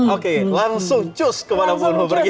oke langsung cus kemana pun mau pergi